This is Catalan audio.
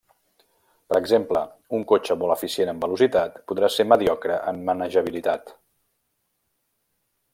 Per exemple, un cotxe molt eficient en velocitat podrà ser mediocre en manejabilitat.